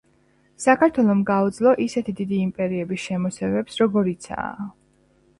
საქართველომ გაუძლო ისეთი დიდი იმპერიების შემოსევებს, როგორიცაა